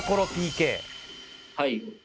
はい。